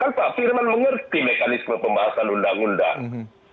kan pak firman mengerti mekanisme pembahasan undang undang